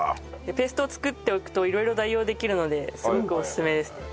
ペーストを作っておくと色々代用できるのですごくおすすめですね。